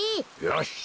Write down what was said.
よし。